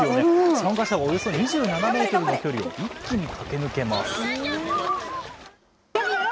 参加者はおよそ２７メートルの距離を一気に駆け抜けます。